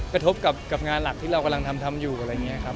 กระทบกับงานหลักที่เรากำลังทำทำอยู่อะไรอย่างนี้ครับ